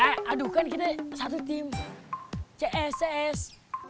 eh aduh kan kita satu tim cs cs